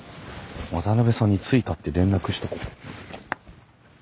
渡さんに着いたって連絡しとこ。